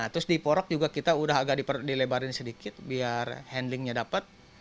terus di porak juga kita udah agak dilebarin sedikit biar handlingnya dapat